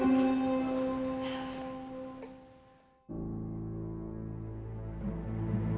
masa itu kita berdua